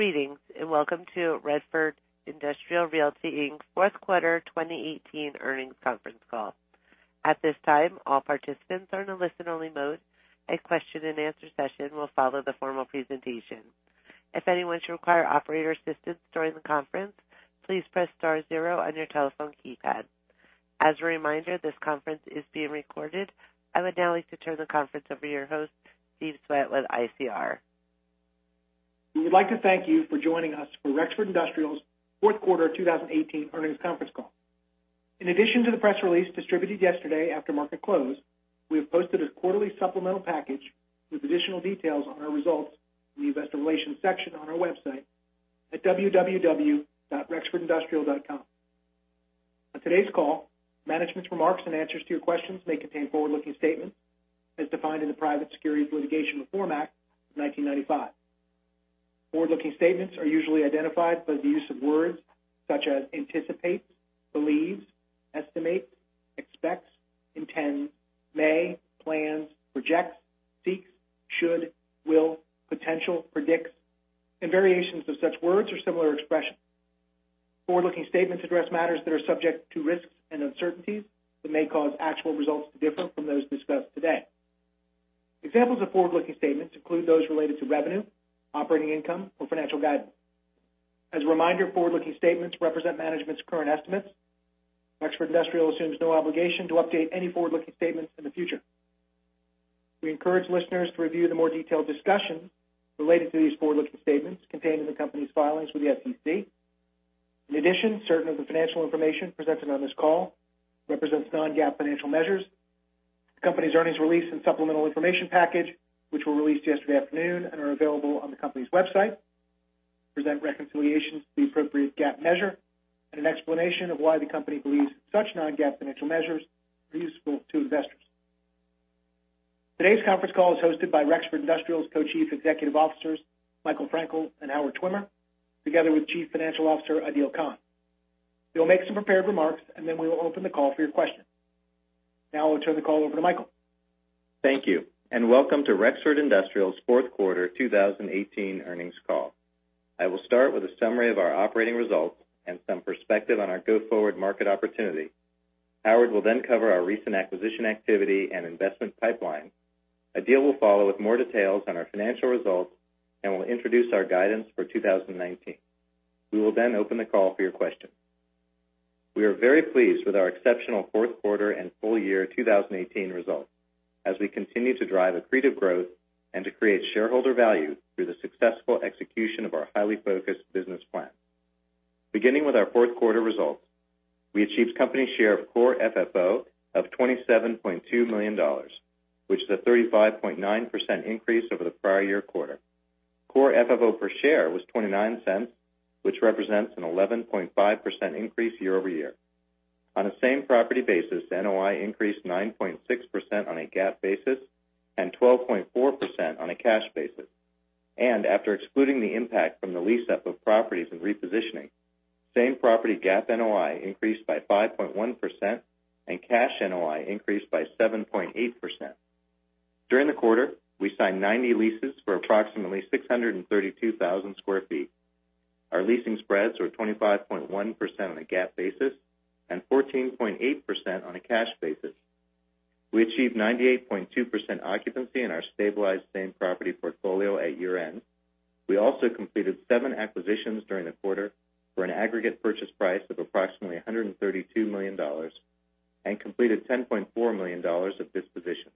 Greetings, welcome to Rexford Industrial Realty Inc.'s Fourth Quarter 2018 Earnings Conference Call. At this time, all participants are in a listen-only mode. A question-and-answer session will follow the formal presentation. If anyone should require operator assistance during the conference, please press star zero on your telephone keypad. As a reminder, this conference is being recorded. I would now like to turn the conference over to your host, Steve Swett with ICR. We would like to thank you for joining us for Rexford Industrial's fourth quarter 2018 earnings conference call. In addition to the press release distributed yesterday after market close, we have posted a quarterly supplemental package with additional details on our results in the investor relations section on our website at www.rexfordindustrial.com. On today's call, management's remarks and answers to your questions may contain forward-looking statements as defined in the Private Securities Litigation Reform Act of 1995. Forward-looking statements are usually identified by the use of words such as anticipates, believes, estimate, expects, intend, may, plans, projects, seeks, should, will, potential, predicts, and variations of such words or similar expressions. Forward-looking statements address matters that are subject to risks and uncertainties that may cause actual results to differ from those discussed today. Examples of forward-looking statements include those related to revenue, operating income, or financial guidance. As a reminder, forward-looking statements represent management's current estimates. Rexford Industrial assumes no obligation to update any forward-looking statements in the future. We encourage listeners to review the more detailed discussion related to these forward-looking statements contained in the company's filings with the SEC. In addition, certain of the financial information presented on this call represents non-GAAP financial measures. The company's earnings release and supplemental information package, which were released yesterday afternoon and are available on the company's website, present reconciliations to the appropriate GAAP measure and an explanation of why the company believes such non-GAAP financial measures are useful to investors. Today's conference call is hosted by Rexford Industrial's Co-Chief Executive Officers, Michael Frankel and Howard Schwimmer, together with Chief Financial Officer Adeel Khan. Then we will open the call for your questions. Now I will turn the call over to Michael. Thank you, welcome to Rexford Industrial's fourth quarter 2018 earnings call. I will start with a summary of our operating results and some perspective on our go-forward market opportunity. Howard will cover our recent acquisition activity and investment pipeline. Adeel will follow with more details on our financial results and will introduce our guidance for 2019. We will open the call for your questions. We are very pleased with our exceptional fourth quarter and full year 2018 results as we continue to drive accretive growth and to create shareholder value through the successful execution of our highly focused business plan. Beginning with our fourth quarter results, we achieved company share of core FFO of $27.2 million, which is a 35.9% increase over the prior year quarter. Core FFO per share was $0.29, which represents an 11.5% increase year-over-year. On a same-property basis, NOI increased 9.6% on a GAAP basis and 12.4% on a cash basis. After excluding the impact from the lease-up of properties and repositioning, same-property GAAP NOI increased by 5.1% and cash NOI increased by 7.8%. During the quarter, we signed 90 leases for approximately 632,000 sq ft. Our leasing spreads were 25.1% on a GAAP basis and 14.8% on a cash basis. We achieved 98.2% occupancy in our stabilized same-property portfolio at year-end. We also completed seven acquisitions during the quarter for an aggregate purchase price of approximately $132 million and completed $10.4 million of dispositions.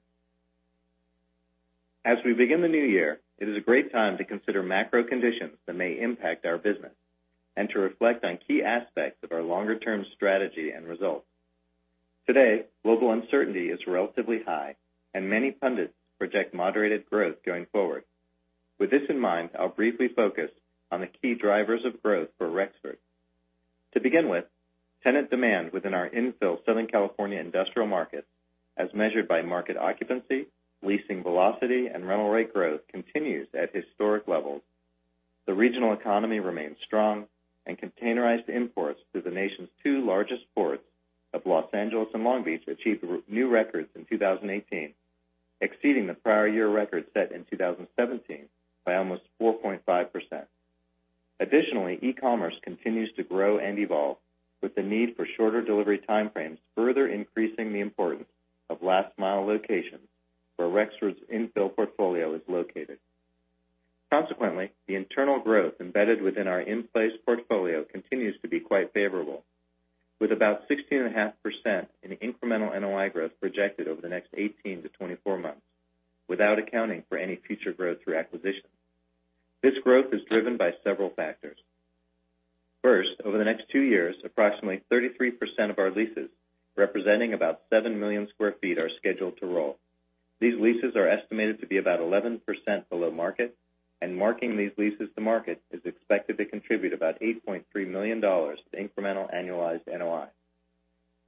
As we begin the new year, it is a great time to consider macro conditions that may impact our business and to reflect on key aspects of our longer-term strategy and results. Today, global uncertainty is relatively high, and many pundits project moderated growth going forward. With this in mind, I'll briefly focus on the key drivers of growth for Rexford. To begin with, tenant demand within our infill Southern California industrial market, as measured by market occupancy, leasing velocity, and rental rate growth, continues at historic levels. The regional economy remains strong, and containerized imports through the nation's two largest ports of Los Angeles and Long Beach achieved new records in 2018, exceeding the prior year record set in 2017 by almost 4.5%. Additionally, e-commerce continues to grow and evolve, with the need for shorter delivery time frames further increasing the importance of last mile locations where Rexford's infill portfolio is located. Consequently, the internal growth embedded within our in-place portfolio continues to be quite favorable, with about 16.5% in incremental NOI growth projected over the next 18-24 months without accounting for any future growth through acquisition. This growth is driven by several factors. First, over the next two years, approximately 33% of our leases, representing about seven million square feet, are scheduled to roll. These leases are estimated to be about 11% below market, and marking these leases to market is expected to contribute about $8.3 million to incremental annualized NOI.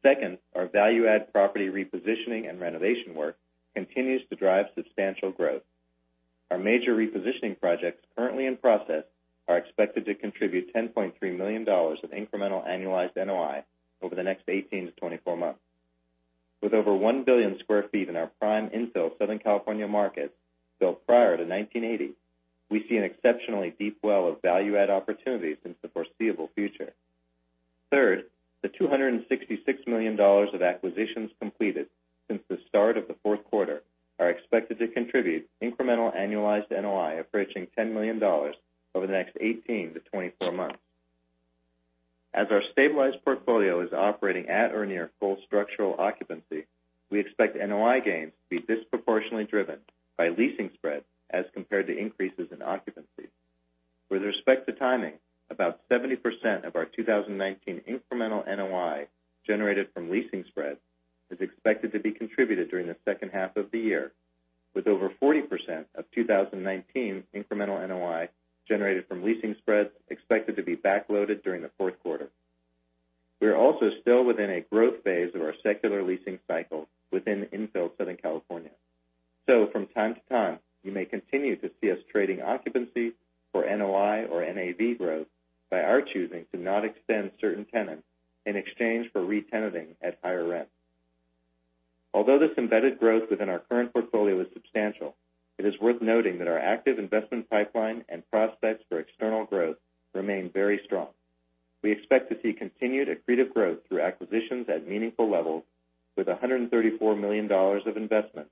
Second, our value-add property repositioning and renovation work continues to drive substantial growth. Our major repositioning projects currently in process are expected to contribute $10.3 million of incremental annualized NOI over the next 18-24 months. With over one billion square feet in our prime infill Southern California market built prior to 1980, we see an exceptionally deep well of value-add opportunities into the foreseeable future. Third, the $266 million of acquisitions completed since the start of the fourth quarter are expected to contribute incremental annualized NOI approaching $10 million over the next 18-24 months. As our stabilized portfolio is operating at or near full structural occupancy, we expect NOI gains to be disproportionately driven by leasing spreads as compared to increases in occupancy. With respect to timing, about 70% of our 2019 incremental NOI generated from leasing spreads is expected to be contributed during the second half of the year, with over 40% of 2019 incremental NOI generated from leasing spreads expected to be back-loaded during the fourth quarter. We are also still within a growth phase of our secular leasing cycle within infill Southern California. From time to time, you may continue to see us trading occupancy for NOI or NAV growth by our choosing to not extend certain tenants in exchange for re-tenanting at higher rents. Although this embedded growth within our current portfolio is substantial, it is worth noting that our active investment pipeline and prospects for external growth remain very strong. We expect to see continued accretive growth through acquisitions at meaningful levels with $134 million of investments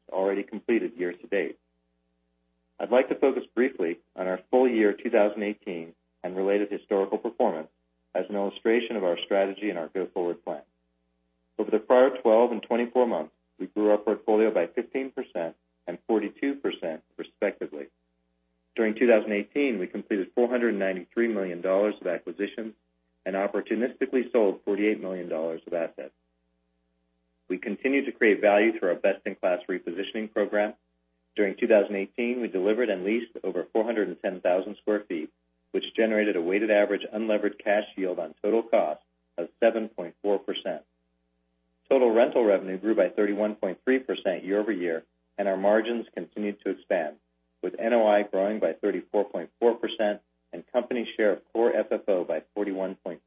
and our margins continued to expand, with NOI growing by 34.4% and company share of core FFO by 41.3%.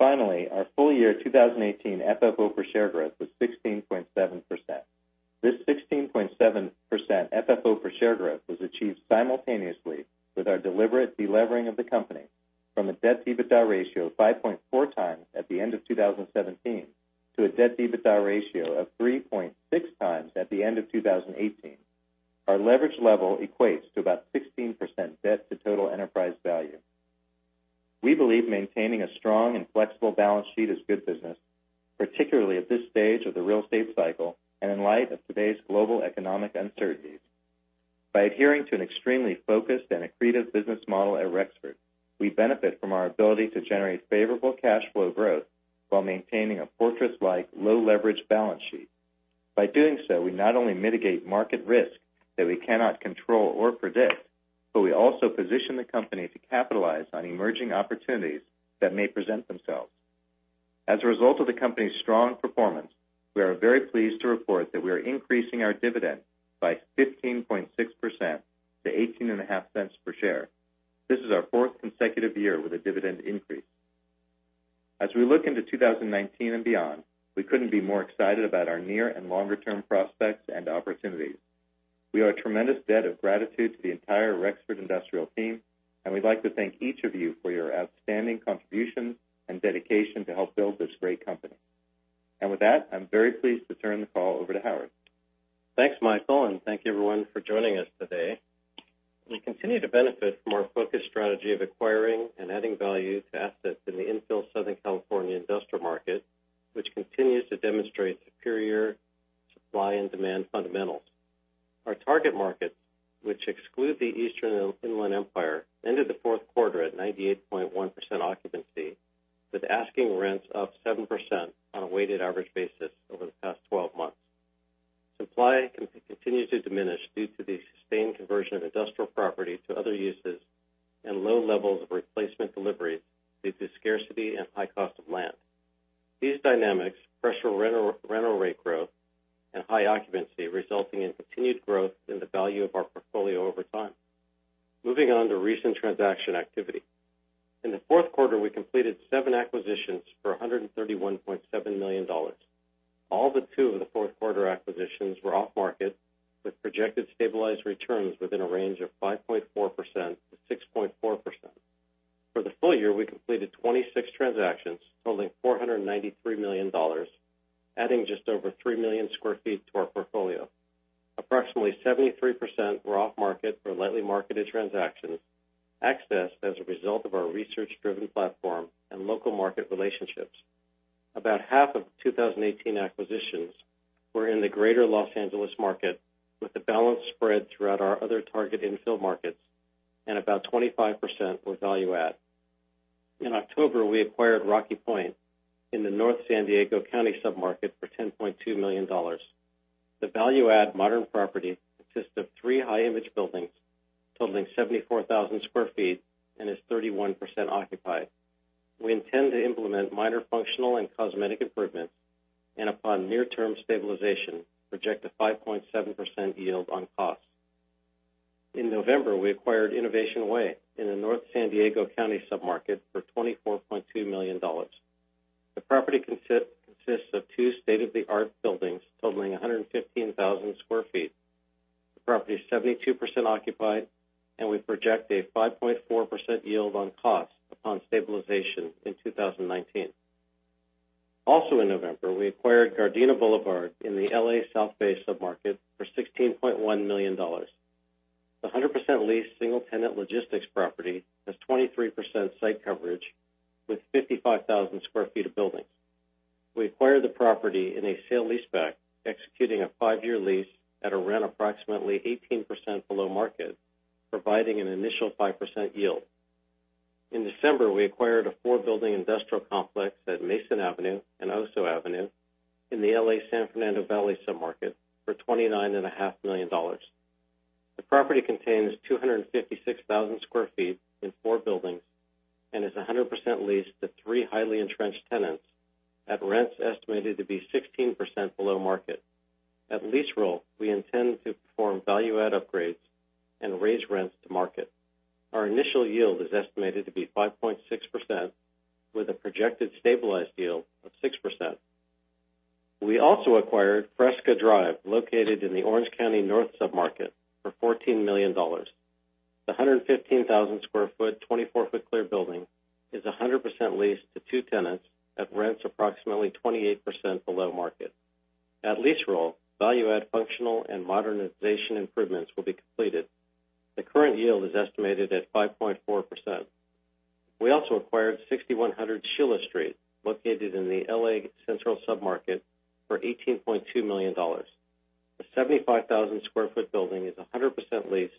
Our full year 2018 FFO per share growth was 16.7%. This 16.7% FFO per share growth was achieved simultaneously with our deliberate de-levering of the company from a debt-EBITDA ratio of 5.4x at the end of 2017 to a debt-EBITDA ratio of 3.6x at the end of 2018. Our leverage level equates to about 16% debt to total enterprise value. We believe maintaining a strong and flexible balance sheet is good business, particularly at this stage of the real estate cycle and in light of today's global economic uncertainties. By adhering to an extremely focused and accretive business model at Rexford, we benefit from our ability to generate favorable cash flow growth while maintaining a fortress-like low leverage balance sheet. By doing so, we not only mitigate market risk that we cannot control or predict, but we also position the company to capitalize on emerging opportunities that may present themselves. As a result of the company's strong performance, we are very pleased to report that we are increasing our dividend by 15.6% to $0.185 per share. This is our fourth consecutive year with a dividend increase. As we look into 2019 and beyond, we couldn't be more excited about our near and longer-term prospects and opportunities. We owe a tremendous debt of gratitude to the entire Rexford Industrial team, we'd like to thank each of you for your outstanding contributions and dedication to help build this great company. With that, I'm very pleased to turn the call over to Howard. Thanks, Michael, and thank you everyone for joining us today. We continue to benefit from our focused strategy of acquiring and adding value to assets in the infill Southern California industrial market, which continues to demonstrate superior supply and demand fundamentals. Our target markets, which exclude the Eastern Inland Empire, ended the fourth quarter at 98.1% occupancy, with asking rents up 7% on a weighted average basis over the past 12 months. Supply continues to diminish due to the sustained conversion of industrial property to other uses and low levels of replacement deliveries due to scarcity and high cost of land. These dynamics pressure rental rate growth and high occupancy, resulting in continued growth in the value of our portfolio over time. Moving on to recent transaction activity. In the fourth quarter, we completed seven acquisitions for $131.7 million. All but two of the fourth quarter acquisitions were off-market, with projected stabilized returns within a range of 5.4% to 6.4%. For the full year, we completed 26 transactions totaling $493 million, adding just over 3 million square feet to our portfolio. Approximately 73% were off-market or lightly marketed transactions, accessed as a result of our research-driven platform and local market relationships. About half of the 2018 acquisitions were in the Greater Los Angeles market, with the balance spread throughout our other target infill markets, and about 25% were value add. In October, we acquired Rocky Point in the North San Diego County sub-market for $10.2 million. The value add modern property consists of three high image buildings totaling 74,000 square feet and is 31% occupied. We intend to implement minor functional and cosmetic improvements, and upon near-term stabilization, project a 5.7% yield on cost. In November, we acquired Innovation Way in the North San Diego County sub-market for $24.2 million. The property consists of two state-of-the-art buildings totaling 115,000 sq ft. The property is 72% occupied, and we project a 5.4% yield on cost upon stabilization in 2019. Also, in November, we acquired Gardena Boulevard in the L.A. South Bay sub-market for $16.1 million. The 100% leased single-tenant logistics property has 23% site coverage with 55,000 square feet of buildings. We acquired the property in a sale leaseback, executing a five-year lease at a rent approximately 18% below market, providing an initial 5% yield. In December, we acquired a four-building industrial complex at Mason Avenue and Oso Avenue in the L.A. San Fernando Valley sub-market for $29.5 million. The property contains 256,000 sq ft in four buildings and is 100% leased to three highly entrenched tenants at rents estimated to be 16% below market. At lease roll, we intend to perform value-add upgrades and raise rents to market. Our initial yield is estimated to be 5.6% with a projected stabilized yield of 6%. We also acquired Fresca Drive, located in the Orange County North sub-market, for $14 million. The 115,000 square foot, 24-foot clear building is 100% leased to two tenants at rents approximately 28% below market. At lease roll, value-add functional and modernization improvements will be completed. The current yield is estimated at 5.4%. We also acquired 6100 Sheila Street, located in the L.A. Central sub-market, for $18.2 million. The 75,000 square foot building is 100% leased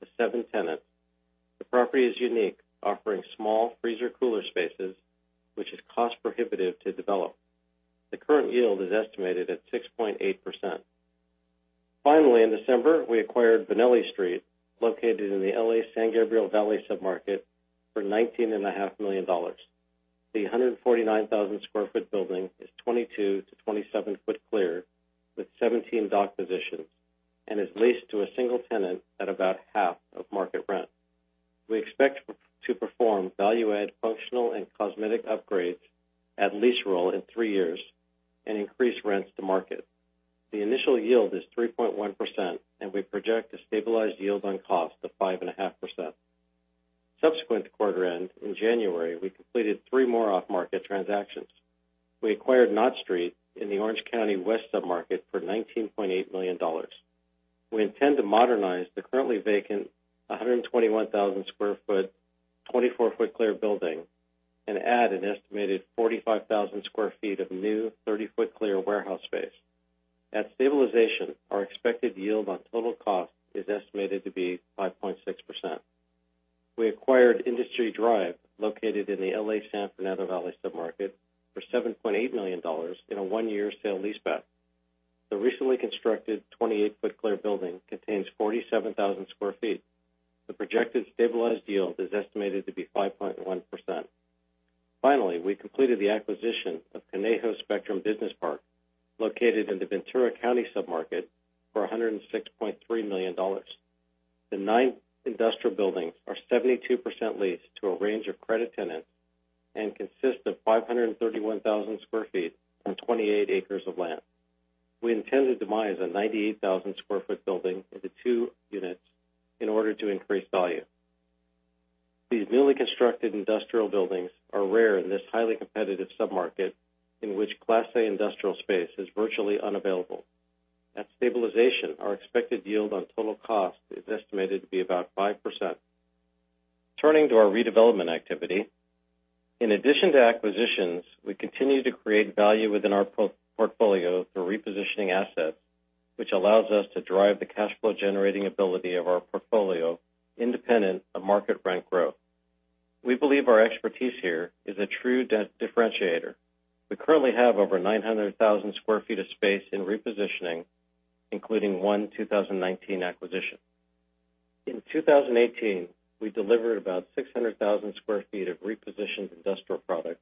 to seven tenants. The property is unique, offering small freezer cooler spaces, which is cost-prohibitive to develop. The current yield is estimated at 6.8%. Finally, in December, we acquired Vineland Avenue, located in the L.A. San Gabriel Valley sub-market, for $19.5 million. The 149,000 sq ft building is 22-27 foot clear with 17 dock positions and is leased to a single tenant at about half of market rent. We expect to perform value-add functional and cosmetic upgrades at lease roll in three years and increase rents to market. The initial yield is 3.1%, and we project a stabilized yield on cost of 5.5%. Subsequent to quarter end, in January, we completed three more off-market transactions. We acquired Knott Street in the Orange County West sub-market for $19.8 million. We intend to modernize the currently vacant 121,000 sq ft, 24-foot clear building and add an estimated 45,000 sq ft of new 30-foot clear warehouse space. At stabilization, our expected yield on total cost is estimated to be 5.6%. We acquired Industry Drive, located in the L.A. San Fernando Valley sub-market, for $7.8 million in a one-year sale leaseback. The recently constructed 28-foot clear building contains 47,000 sq ft. The projected stabilized yield is estimated to be 5.1%. Finally, we completed the acquisition of Conejo Spectrum Business Park, located in the Ventura County sub-market, for $106.3 million. The nine industrial buildings are 72% leased to a range of credit tenants and consist of 531,000 sq ft on 28 acres of land. We intend to demise a 98,000 sq ft building into two units in order to increase value. These newly constructed industrial buildings are rare in this highly competitive sub-market, in which Class A industrial space is virtually unavailable. At stabilization, our expected yield on total cost is estimated to be about 5%. Turning to our redevelopment activity. In addition to acquisitions, we continue to create value within our portfolio through repositioning assets, which allows us to drive the cash flow generating ability of our portfolio independent of market rent growth. We believe our expertise here is a true differentiator. We currently have over 900,000 sq ft of space in repositioning, including one 2019 acquisition. In 2018, we delivered about 600,000 sq ft of repositioned industrial product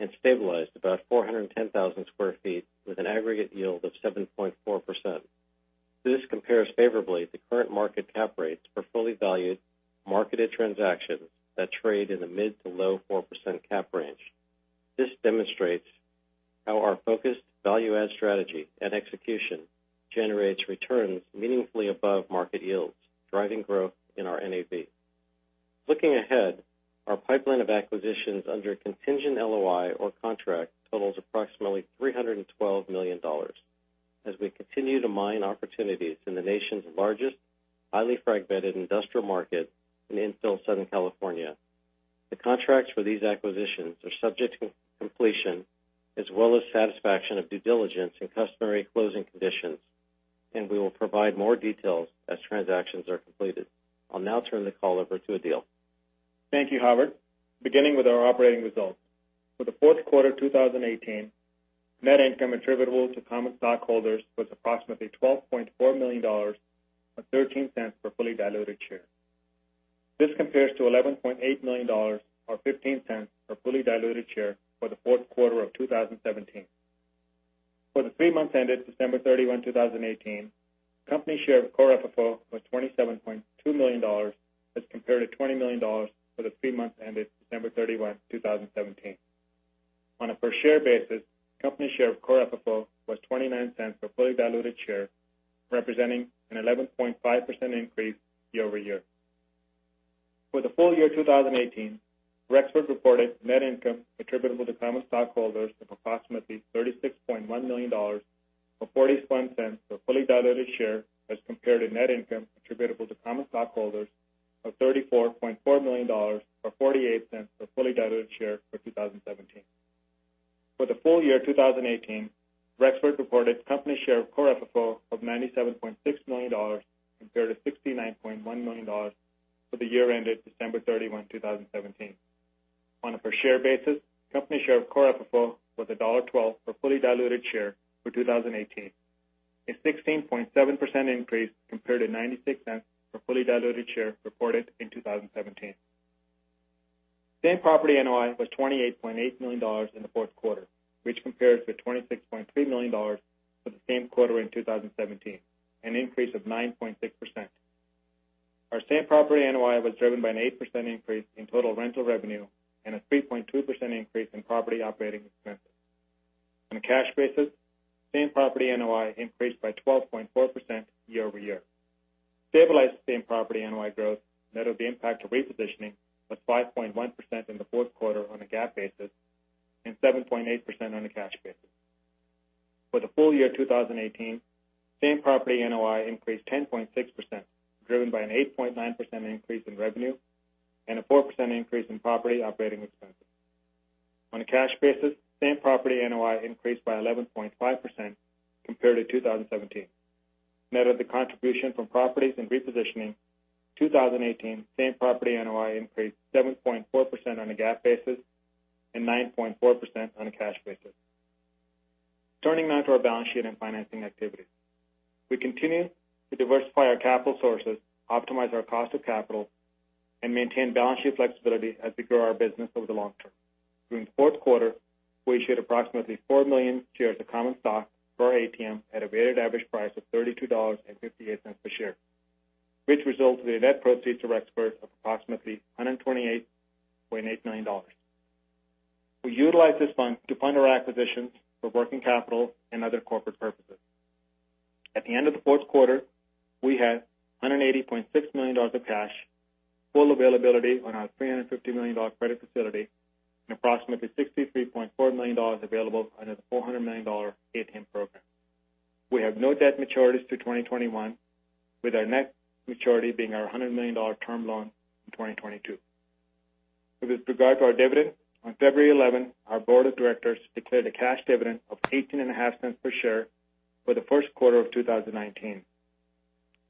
and stabilized about 410,000 sq ft with an aggregate yield of 7.4%. This compares favorably to current market cap rates for fully valued, marketed transactions that trade in the mid to low 4% cap range. This demonstrates how our focused value-add strategy and execution generates returns meaningfully above market yields, driving growth in our NAV. Looking ahead, our pipeline of acquisitions under contingent LOI or contract totals approximately $312 million as we continue to mine opportunities in the nation's largest, highly fragmented industrial market in infill Southern California. The contracts for these acquisitions are subject to completion as well as satisfaction of due diligence and customary closing conditions. We will provide more details as transactions are completed. I'll now turn the call over to Adeel. Thank you, Howard. Beginning with our operating results. For the fourth quarter 2018, net income attributable to common stockholders was approximately $12.4 million, or $0.13 per fully diluted share. This compares to $11.8 million, or $0.15 per fully diluted share for the fourth quarter of 2017. For the three months ended December 31, 2018, company share of core FFO was $27.2 million as compared to $20 million for the three months ended December 31, 2017. On a per share basis, company share of core FFO was $0.29 for fully diluted share, representing an 11.5% increase year-over-year. For the full year 2018, Rexford reported net income attributable to common stockholders of approximately $36.1 million, or $0.41 for fully diluted share as compared to net income attributable to common stockholders of $34.4 million or $0.48 for fully diluted share for 2017. For the full year 2018, Rexford reported company share of core FFO of $97.6 million compared to $69.1 million for the year ended December 31, 2017. On a per share basis, company share of core FFO was $1.12 for fully diluted share for 2018, a 16.7% increase compared to $0.96 for fully diluted share reported in 2017. Same property NOI was $28.8 million in the fourth quarter, which compares with $26.3 million for the same quarter in 2017, an increase of 9.6%. Our same property NOI was driven by an 8% increase in total rental revenue and a 3.2% increase in property operating expenses. On a cash basis, same property NOI increased by 12.4% year-over-year. Stabilized same property NOI growth net of the impact of repositioning was 5.1% in the fourth quarter on a GAAP basis and 7.8% on a cash basis. For the full year 2018, same property NOI increased 10.6%, driven by an 8.9% increase in revenue and a 4% increase in property operating expenses. On a cash basis, same property NOI increased by 11.5% compared to 2017. Net of the contribution from properties and repositioning, 2018 same property NOI increased 7.4% on a GAAP basis and 9.4% on a cash basis. Turning now to our balance sheet and financing activities. We continue to diversify our capital sources, optimize our cost of capital, and maintain balance sheet flexibility as we grow our business over the long term. During the fourth quarter, we issued approximately four million shares of common stock for our ATM at a weighted average price of $32.58 per share. Which results in a net proceed to Rexford of approximately $128.8 million. We utilized this fund to fund our acquisitions for working capital and other corporate purposes. At the end of the fourth quarter, we had $180.6 million of cash, full availability on our $350 million credit facility, and approximately $63.4 million available under the $400 million ATM program. We have no debt maturities through 2021, with our next maturity being our $100 million term loan in 2022. With regard to our dividend, on February 11, our board of directors declared a cash dividend of $0.185 per share for the first quarter of 2019,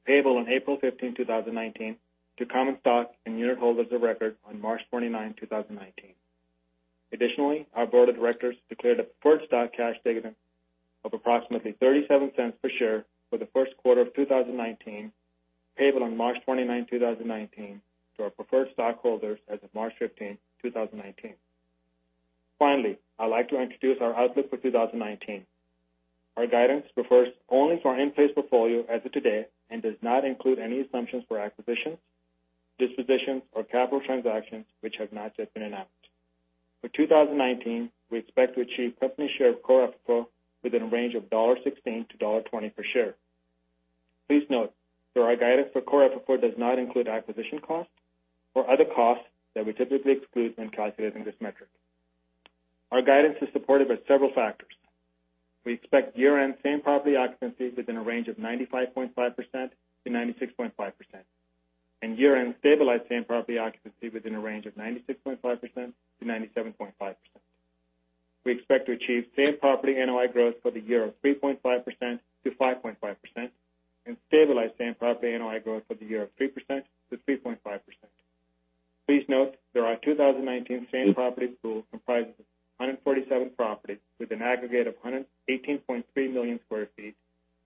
payable on April 15, 2019, to common stock and unit holders of record on March 29, 2019. Additionally, our board of directors declared a preferred stock cash dividend of approximately $0.37 per share for the first quarter of 2019, payable on March 29, 2019, to our preferred stockholders as of March 15, 2019. Finally, I'd like to introduce our outlook for 2019. Our guidance refers only to our in-place portfolio as of today and does not include any assumptions for acquisitions, dispositions, or capital transactions which have not yet been announced. For 2019, we expect to achieve company share of core FFO within a range of $1.16 to $1.20 per share. Please note that our guidance for core FFO does not include acquisition costs or other costs that we typically exclude when calculating this metric. Our guidance is supported by several factors. We expect year-end same property occupancy within a range of 95.5%-96.5% and year-end stabilized same property occupancy within a range of 96.5%-97.5%. We expect to achieve same property NOI growth for the year of 3.5%-5.5% and stabilized same property NOI growth for the year of 3%-3.5%. Please note that our 2019 same property pool comprises 147 properties with an aggregate of 18.3 million square feet,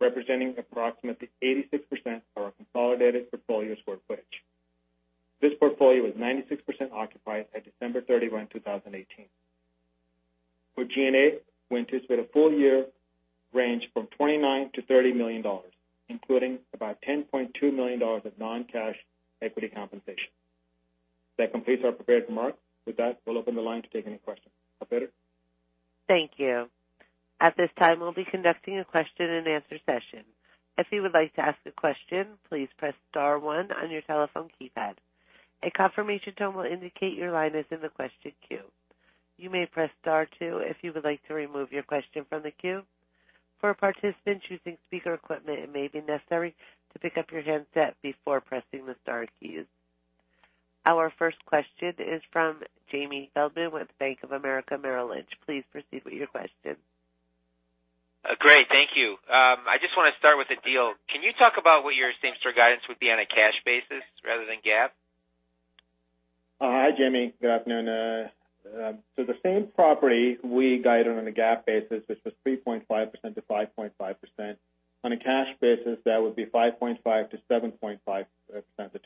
representing approximately 86% of our consolidated portfolio square footage. This portfolio was 96% occupied by December 31, 2018. For G&A, we anticipate a full year range from $29 million to $30 million, including about $10.2 million of non-cash equity compensation. That completes our prepared remarks. With that, we'll open the line to take any questions. Operator? Thank you. At this time, we'll be conducting a question-and-answer session. If you would like to ask a question, please press star one on your telephone keypad. A confirmation tone will indicate your line is in the question queue. You may press star two if you would like to remove your question from the queue. For participants using speaker equipment, it may be necessary to pick up your handset before pressing the star keys. Our first question is from Jamie Feldman with Bank of America Merrill Lynch. Please proceed with your question. Great, thank you. I just want to start with Adeel. Can you talk about what your seems a guidance would be on a cash basis rather than GAAP? Hi, Jamie. Good afternoon. The same property we guided on a GAAP basis, which was 3.5%-5.5%. On a cash basis, that would be 5.5%-7.5%,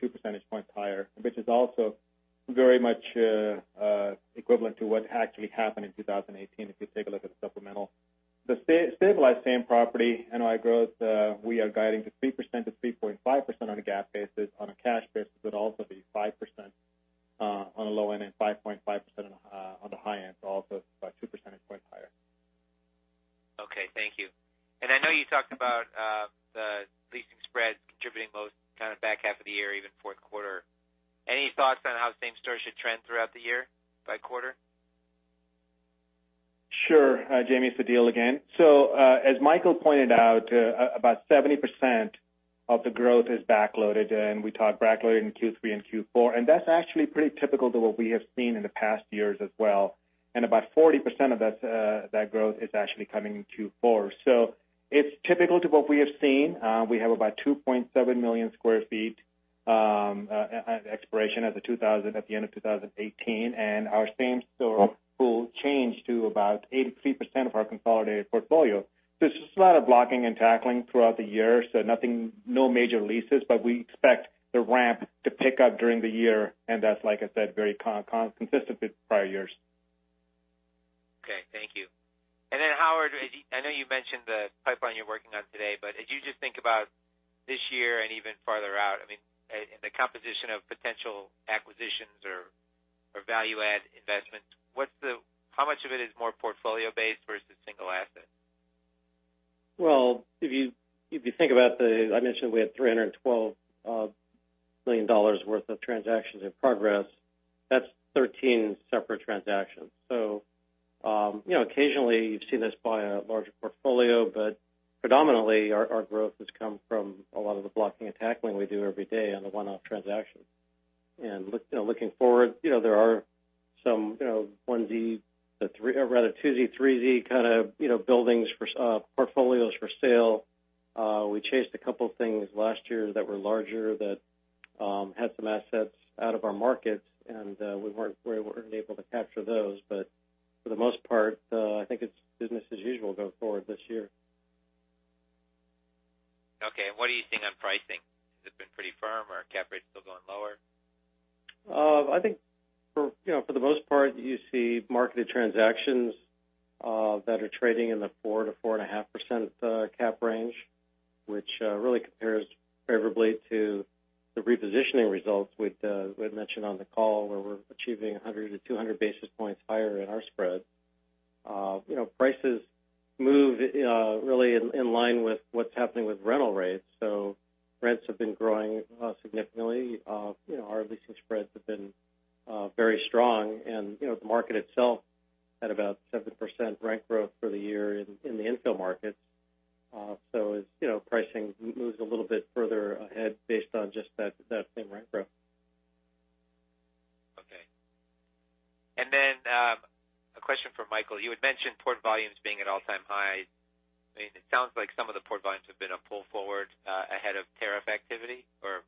two percentage points higher, which is also very much equivalent to what actually happened in 2018, if you take a look at the supplemental. The stabilized same-property NOI growth, we are guiding to 3%-3.5% on a GAAP basis. On a cash basis, it would also be 5% on the low end and 5.5% on the high end, also about 200 basis points higher. Okay, thank you. I know you talked about the leasing spreads contributing most kind of back half of the year, even fourth quarter. Any thoughts on how same store should trend throughout the year by quarter? Sure. Jamie, it's Adeel again. As Michael pointed out, about 70% of the growth is back-loaded, and we talk back-loaded in Q3 and Q4, and that's actually pretty typical to what we have seen in the past years as well. About 40% of that growth is actually coming in Q4. It's typical to what we have seen. We have about 2.7 million square feet of expiration at the end of 2018, and our same-store pool changed to about 83% of our consolidated portfolio. There's just a lot of blocking and tackling throughout the year, so no major leases, but we expect the ramp to pick up during the year, and that's, like I said, very consistent with prior years. Okay, thank you. Howard, I know you mentioned the pipeline you're working on today, but as you just think about this year and even farther out, I mean, the composition of potential acquisitions or value-add investments, how much of it is more portfolio-based versus single asset? Well, if you think about, I mentioned we had $312 million worth of transactions in progress. That's 13 separate transactions. Occasionally, you see this by a larger portfolio, but predominantly, our growth has come from a lot of the blocking and tackling we do every day on the one-off transaction. Looking forward, there are some 1Z, 2Z, 3Z kind of portfolios for sale. We chased a couple things last year that were larger that had some assets out of our markets, and we weren't able to capture those. For the most part, I think it's business as usual going forward this year. Okay. What are you seeing on pricing? Has it been pretty firm, or are cap rates still going lower? I think for the most part, you see marketed transactions that are trading in the 4%-4.5% cap range, which really compares favorably to the repositioning results we had mentioned on the call, where we're achieving 100-200 basis points higher in our spread. Prices move really in line with what's happening with rental rates. Rents have been growing significantly. Our leasing spreads have been very strong, and the market itself had about 7% rent growth for the year in the infill markets. As pricing moves a little bit further ahead based on just that same rent growth. Okay. A question for Michael. You had mentioned port volumes being at all-time high. I mean, it sounds like some of the port volumes have been a pull forward ahead of tariff activity or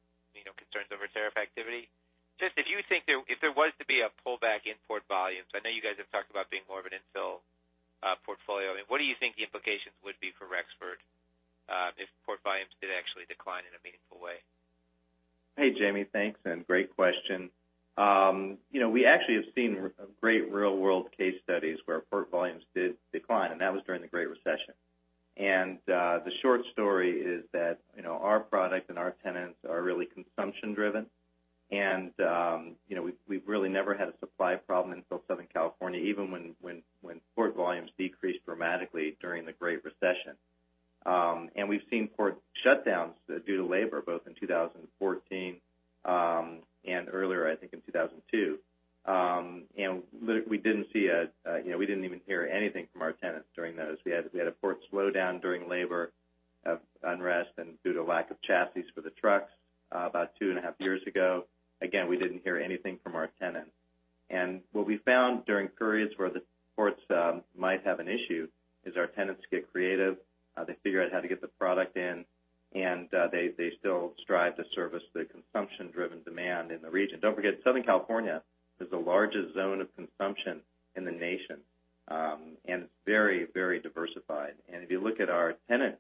concerns over tariff activity. Just if you think if there was to be a pullback in port volumes, I know you guys have talked about being more of an infill portfolio. What do you think the implications would be for Rexford if port volumes did actually decline in a meaningful way? Hey, Jamie. Thanks, great question. We actually have seen great real-world case studies where port volumes did decline, and that was during the Great Recession. The short story is that our product and our tenants are really consumption driven. We've really never had a supply problem in Southern California, even when port volumes decreased dramatically during the Great Recession. We've seen port shutdowns due to labor, both in 2014, and earlier, I think in 2002. We didn't even hear anything from our tenants during those. We had a port slowdown during labor unrest and due to lack of chassis for the trucks about two and a half years ago. Again, we didn't hear anything from our tenants. What we found during periods where the ports might have an issue is our tenants get creative. They figure out how to get the product in, they still strive to service the consumption-driven demand in the region. Don't forget, Southern California is the largest zone of consumption in the nation, it's very diversified. If you look at our tenant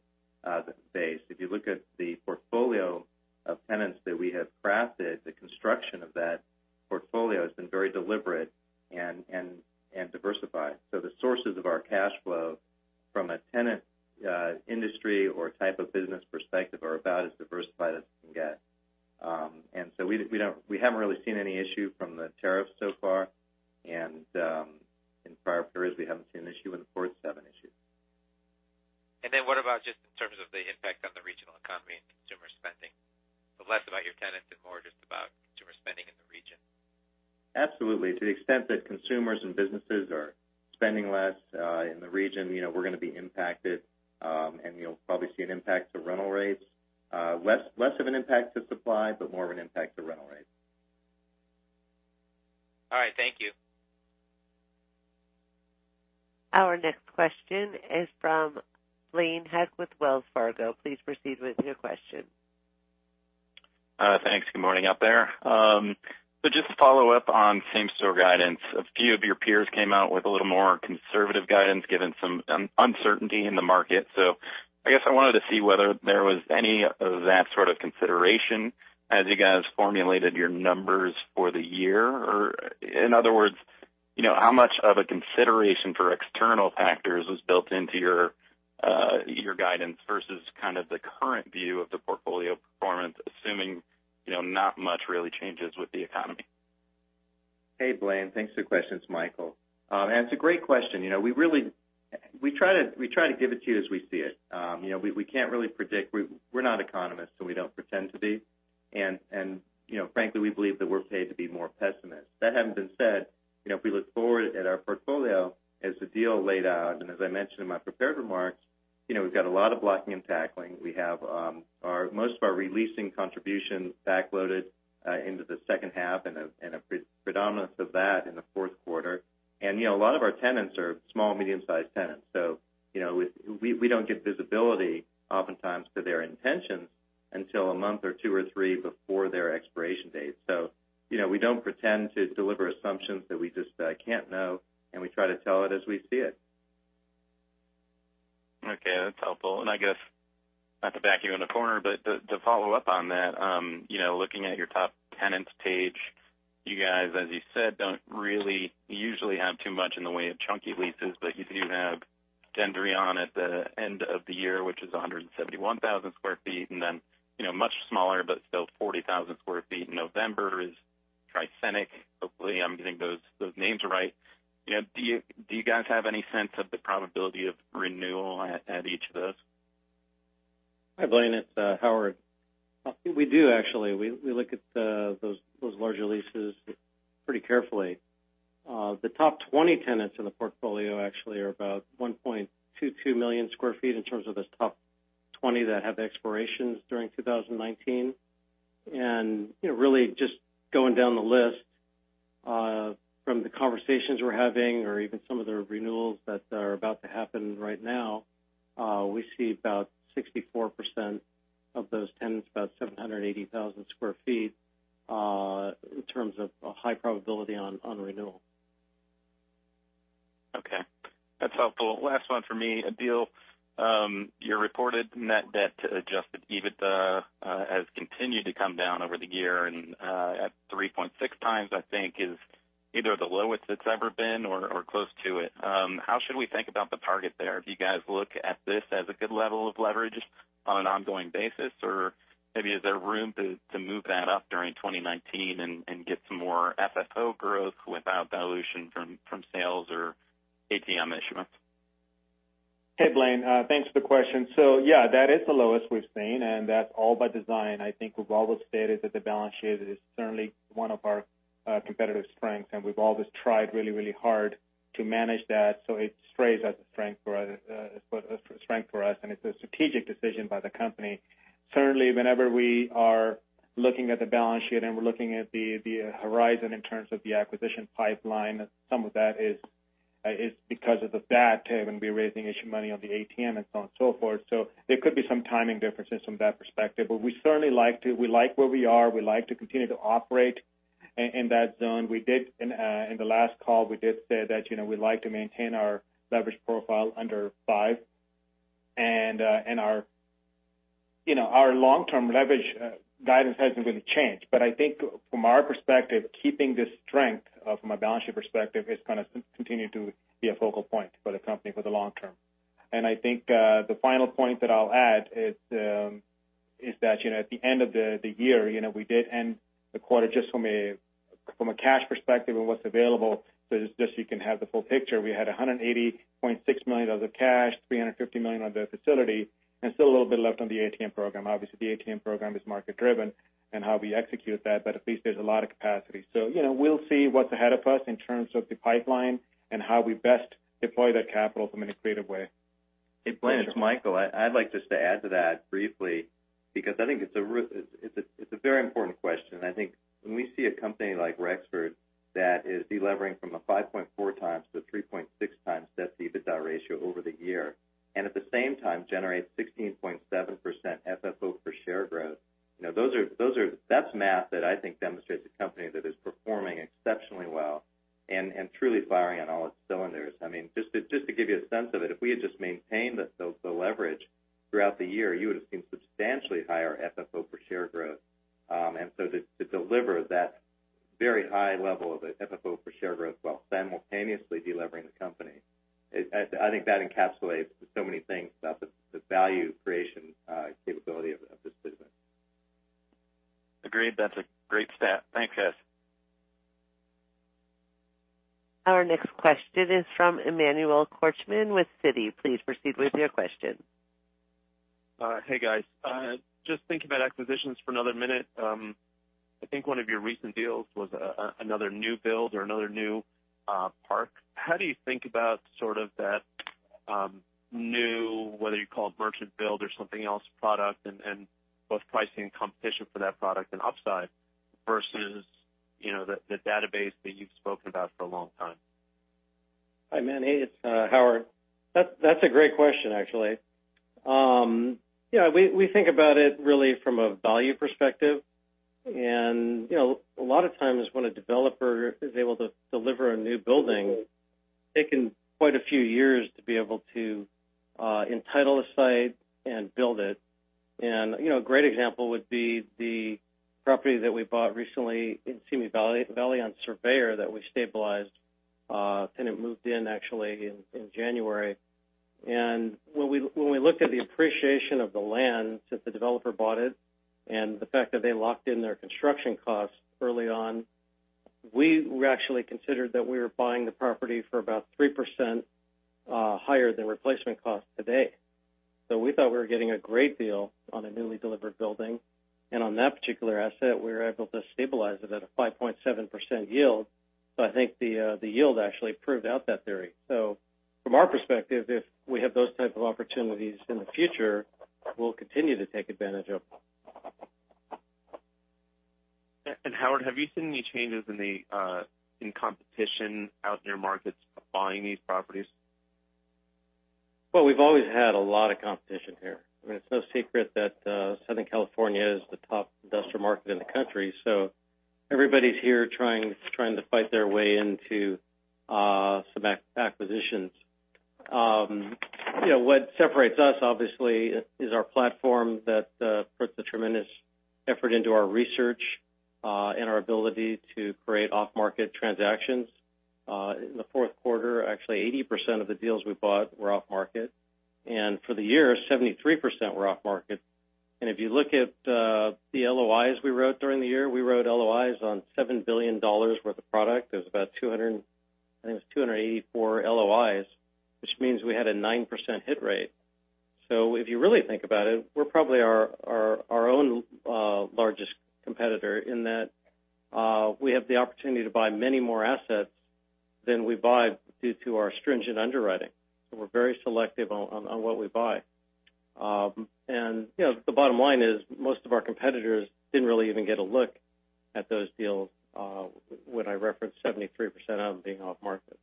base, if you look at the portfolio of tenants that we have crafted, the construction of that portfolio has been very deliberate and diversified. The sources of our cash flow from a tenant industry or type of business perspective are about as diversified as it can get. We haven't really seen any issue from the tariffs so far. In prior periods, we haven't seen an issue when the ports have an issue. What about just in terms of the impact on the regional economy and consumer spending? Less about your tenants and more just about consumer spending in the region. Absolutely. To the extent that consumers and businesses are spending less in the region, we're going to be impacted. You'll probably see an impact to rental rates. Less of an impact to supply, but more of an impact to rental rates. All right. Thank you. Our next question is from Blaine Heck with Wells Fargo. Please proceed with your question. Thanks. Good morning out there. Just to follow up on same-store guidance. A few of your peers came out with a little more conservative guidance given some uncertainty in the market. I guess I wanted to see whether there was any of that sort of consideration as you guys formulated your numbers for the year. How much of a consideration for external factors was built into your guidance versus kind of the current view of the portfolio performance, assuming not much really changes with the economy? Hey, Blaine. Thanks for the question. It's Michael. It's a great question. We try to give it to you as we see it. We can't really predict. We're not economists, so we don't pretend to be. Frankly, we believe that we're paid to be more pessimists. That having been said, if we look forward at our portfolio as Adeel laid out, as I mentioned in my prepared remarks, we've got a lot of blocking and tackling. We have most of our releasing contributions backloaded into the second half and a predominance of that in the fourth quarter. A lot of our tenants are small, medium-sized tenants, so we don't get visibility oftentimes to their intentions until a month or two or three before their expiration date. We don't pretend to deliver assumptions that we just can't know, and we try to tell it as we see it. Okay, that's helpful. I guess, not to back you in a corner, but to follow up on that, looking at your top tenants page, you guys, as you said, don't really usually have too much in the way of chunky leases, but you do have Gendron at the end of the year, which is 171,000 sq ft, and then much smaller but still 40,000 sq ft in November is Tri-Scenic. Hopefully, I'm getting those names right. Do you guys have any sense of the probability of renewal at each of those? Hi, Blaine, it's Howard. I think we do, actually. We look at those larger leases pretty carefully. The top 20 tenants in the portfolio actually are about 1.22 million square feet in terms of those top 20 that have expirations during 2019. Really just going down the list, from the conversations we're having or even some of the renewals that are about to happen right now, we see about 64% of those tenants, about 780,000 sq ft, in terms of a high probability on renewal. Okay, that's helpful. Last one for me. Adeel, your reported net debt to adjusted EBITDA has continued to come down over the year and at 3.6x, I think, is either the lowest it's ever been or close to it. How should we think about the target there? Do you guys look at this as a good level of leverage on an ongoing basis? Or maybe is there room to move that up during 2019 and get some more FFO growth without dilution from sales or ATM issuance? Hey, Blaine. Thanks for the question. Yeah, that's the lowest we've seen, and that's all by design. I think we've always stated that the balance sheet is certainly one of our competitive strengths, and we've always tried really hard to manage that so it stays as a strength for us, and it's a strategic decision by the company. Certainly, whenever we are looking at the balance sheet and we're looking at the horizon in terms of the acquisition pipeline, some of that is because of that, to even be raising issue money on the ATM and so on and so forth. There could be some timing differences from that perspective. We certainly like where we are. We like to continue to operate in that zone. In the last call, we did say that we'd like to maintain our leverage profile under five, and our long-term leverage guidance hasn't really changed. I think from our perspective, keeping this strength from a balance sheet perspective is going to continue to be a focal point for the company for the long term. I think the final point that I'll add is that at the end of the year, we did end the quarter just from a cash perspective and what's available. Just so you can have the full picture, we had $180.6 million of cash, $350 million on the facility, and still a little bit left on the ATM program. Obviously, the ATM program is market driven and how we execute that, but at least there's a lot of capacity. We'll see what's ahead of us in terms of the pipeline and how we best deploy that capital from in a creative way. Hey, Blaine, it's Michael. I'd like just to add to that briefly because I think it's a very important question. I think when we see a company like Rexford that is delevering from a 5.4x to 3.6x debt-to-EBITDA ratio over the year, and at the same time generates 16.7% FFO per share growth, that's math that I think demonstrates a company that is performing exceptionally well and truly firing on all its cylinders. Just to give you a sense of it, if we had just maintained the leverage throughout the year, you would've seen substantially higher FFO per share growth. To deliver that very high level of FFO per share growth while simultaneously delevering the company, I think that encapsulates so many things about the value creation capability of this business. Agreed. That's a great stat. Thanks, guys. Our next question is from Emmanuel Korchman with Citi. Please proceed with your question. Hey, guys. Just thinking about acquisitions for another minute. I think one of your recent deals was another new build or another new park. How do you think about sort of that new, whether you call it merchant build or something else, product and both pricing and competition for that product and upside versus the database that you've spoken about for a long time? Hi, Emmanuel. It's Howard. That's a great question, actually. We think about it really from a value perspective. A lot of times when a developer is able to deliver a new building. Taken quite a few years to be able to entitle a site and build it. A great example would be the property that we bought recently in Simi Valley on Surveyor that we stabilized. Tenant moved in actually in January. When we looked at the appreciation of the land, since the developer bought it, and the fact that they locked in their construction costs early on, we actually considered that we were buying the property for about 3% higher than replacement cost today. We thought we were getting a great deal on a newly delivered building. On that particular asset, we were able to stabilize it at a 5.7% yield. I think the yield actually proved out that theory. From our perspective, if we have those type of opportunities in the future, we'll continue to take advantage of them. Howard, have you seen any changes in competition out in your markets buying these properties? Well, we've always had a lot of competition here. It's no secret that Southern California is the top industrial market in the country. Everybody's here trying to fight their way into some acquisitions. What separates us, obviously, is our platform that puts a tremendous effort into our research, and our ability to create off-market transactions. In the fourth quarter, actually 80% of the deals we bought were off-market. For the year, 73% were off-market. If you look at the LOIs we wrote during the year, we wrote LOIs on $7 billion worth of product. It was about, I think it was 284 LOIs, which means we had a 9% hit rate. If you really think about it, we're probably our own largest competitor in that we have the opportunity to buy many more assets than we buy due to our stringent underwriting. We're very selective on what we buy. The bottom line is most of our competitors didn't really even get a look at those deals when I referenced 73% of them being off-market.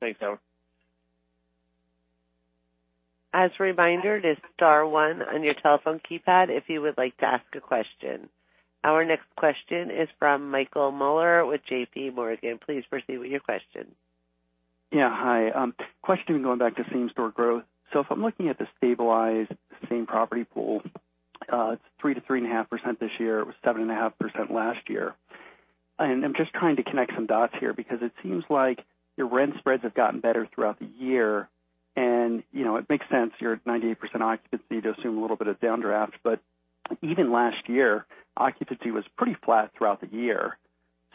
Thanks, Howard. As a reminder, it is star one on your telephone keypad if you would like to ask a question. Our next question is from Michael Mueller with J.P. Morgan. Please proceed with your question. Yeah. Hi. Question going back to same-store growth. If I'm looking at the stabilized same property pool, it's 3%-3.5% this year. It was 7.5% last year. I'm just trying to connect some dots here because it seems like your rent spreads have gotten better throughout the year, and it makes sense, you're at 98% occupancy to assume a little bit of downdraft. Even last year, occupancy was pretty flat throughout the year.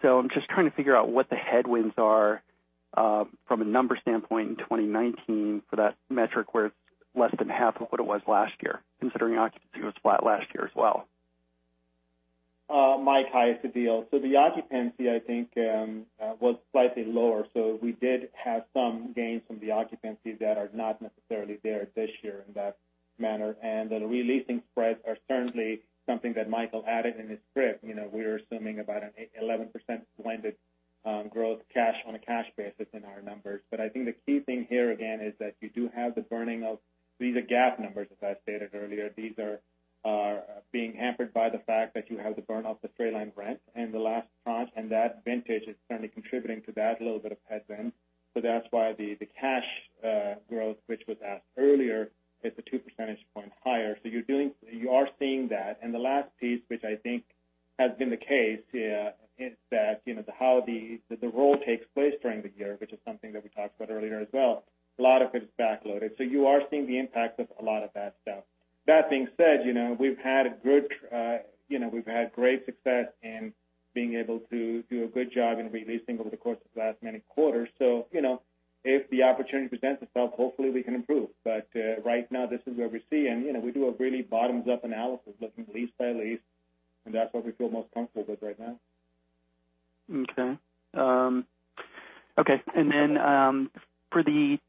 I'm just trying to figure out what the headwinds are from a number standpoint in 2019 for that metric where it's less than half of what it was last year, considering occupancy was flat last year as well? Mike. Hi, it's Adeel. The occupancy, I think, was slightly lower. We did have some gains from the occupancies that are not necessarily there this year in that manner. The re-leasing spreads are certainly something that Michael added in his script. We're assuming about an 11% blended growth on a cash basis in our numbers. I think the key thing here again is that you do have the burning of, these are GAAP numbers, as I stated earlier. These are being hampered by the fact that you have the burn-off of straight-line rent in the last tranche, and that vintage is certainly contributing to that, a little bit of headwind. That's why the cash growth, which was asked earlier, is the two percentage points higher. You are seeing that. The last piece, which I think has been the case, is that how the role takes place during the year, which is something that we talked about earlier as well. A lot of it is back-loaded. You are seeing the impact of a lot of that stuff. That being said, we've had great success in being able to do a good job in re-leasing over the course of the last many quarters. If the opportunity presents itself, hopefully we can improve. Right now, this is where we see, and we do a really bottoms-up analysis, looking lease by lease, and that's what we feel most comfortable with right now. Okay. For the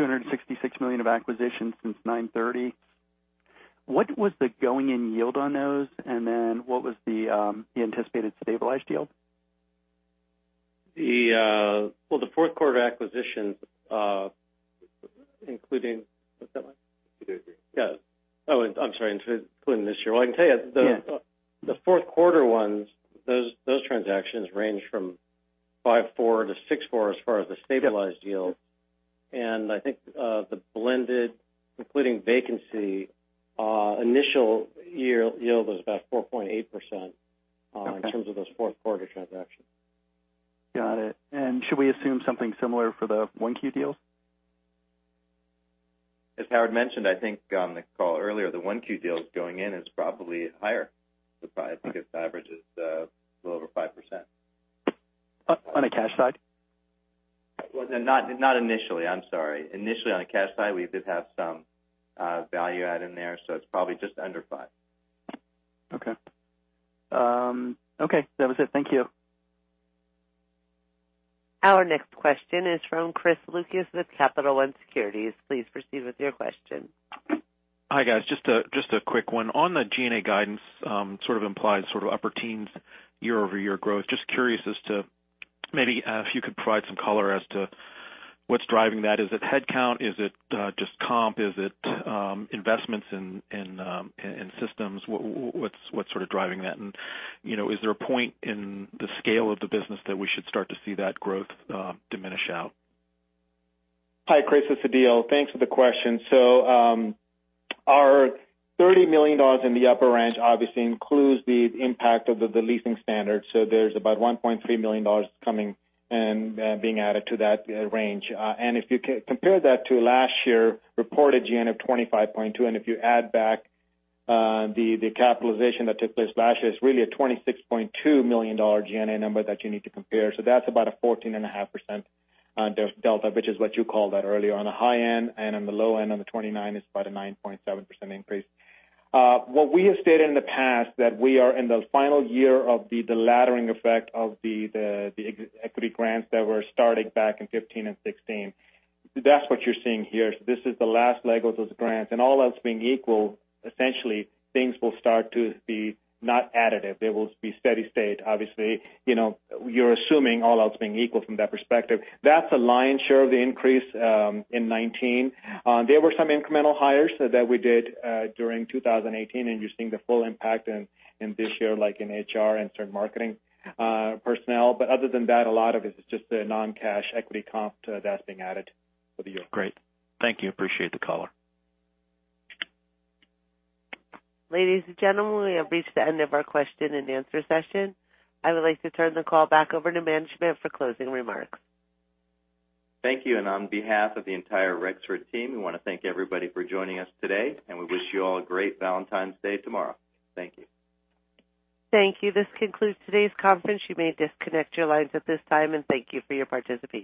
$266 million of acquisitions since 9/30, what was the going-in yield on those, what was the anticipated stabilized yield? The fourth quarter acquisitions, including What's that, Mike? Yeah. I'm sorry, including this year. I can tell you Yeah The fourth quarter ones, those transactions range from 5.4%-6.4% as far as the stabilized yield. I think the blended, including vacancy, initial yield was about 4.8% in terms of those fourth quarter transactions. Got it. Should we assume something similar for the Q1 deals? As Howard mentioned, I think, on the call earlier, the Q1 deals going in is probably higher. I think it averages a little over 5%. On a cash side? Well, not initially. I'm sorry. Initially, on a cash side, we did have some value add in there, so it's probably just under five. Okay. That was it. Thank you. Our next question is from Chris Lucas with Capital One Securities. Please proceed with your question. Hi, guys. Just a quick one. On the G&A guidance, sort of implies upper teens year-over-year growth. Just curious as to if you could provide some color as to what's driving that. Is it headcount? Is it just comp? Is it investments in systems? What's sort of driving that? And is there a point in the scale of the business that we should start to see that growth diminish out? Hi, Chris, it's Adeel. Thanks for the question. Our $30 million in the upper range obviously includes the impact of the leasing standards. There's about $1.3 million coming and being added to that range. And if you compare that to last year, reported G&A of $25.2 million, and if you add back the capitalization that took place last year, it's really a $26.2 million G&A number that you need to compare. That's about a 14.5% delta, which is what you called out earlier on the high end, and on the low end on the $29 million is about a 9.7% increase. What we have stated in the past, that we are in the final year of the diluting effect of the equity grants that were starting back in 2015 and 2016. That's what you're seeing here. This is the last leg of those grants. All else being equal, essentially, things will start to be not additive. They will be steady state. Obviously, you're assuming all else being equal from that perspective. That's a lion's share of the increase in 2019. There were some incremental hires that we did during 2018, and you're seeing the full impact in this year, like in HR and certain marketing personnel. Other than that, a lot of it is just a non-cash equity comp that's being added for the year. Great. Thank you. Appreciate the color. Ladies and gentlemen, we have reached the end of our question-and-answer session. I would like to turn the call back over to management for closing remarks. Thank you. On behalf of the entire Rexford team, we want to thank everybody for joining us today, and we wish you all a great Valentine's Day tomorrow. Thank you. Thank you. This concludes today's conference. You may disconnect your lines at this time, and thank you for your participation.